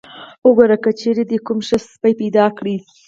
وګوره که چېرته دې کوم ښه سپی پیدا کړ.